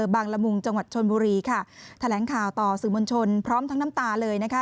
ละมุงจังหวัดชนบุรีค่ะแถลงข่าวต่อสื่อมวลชนพร้อมทั้งน้ำตาเลยนะคะ